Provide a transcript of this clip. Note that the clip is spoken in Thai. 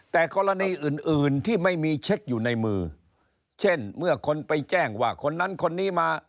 แต่กรณีอื่นอื่นที่ไม่มีเช็คอยู่ในมือเช่นเมื่อคนไปแจ้งว่าคนนั้นคนนี้มา